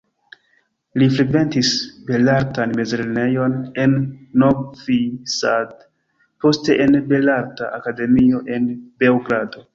Li frekventis belartan mezlernejon en Novi Sad, poste en Belarta Akademio en Beogrado.